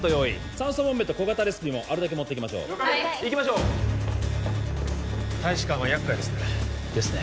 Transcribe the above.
酸素ボンベと小型レスピもあるだけ持っていきましょう行きましょう大使館は厄介ですねですね